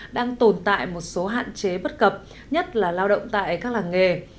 đang tồn tại một số hạn chế bất cập nhất là lao động tại các làng nghề